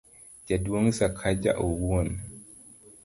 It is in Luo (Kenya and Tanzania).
jaduong' Sakaja owuon